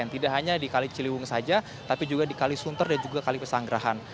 tidak hanya di kali ciliwung saja tapi juga di kalisunter dan juga kali pesanggerahan